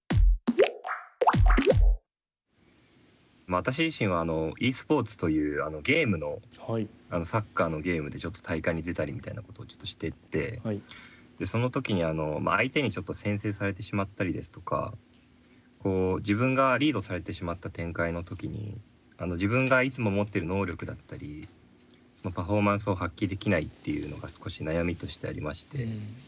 私自身はｅスポーツというゲームのサッカーのゲームでちょっと大会に出たりみたいなことをちょっとしていてその時に相手に先制されてしまったりですとか自分がリードされてしまった展開の時に自分がいつも持ってる能力だったりパフォーマンスを発揮できないっていうのが少し悩みとしてありまして。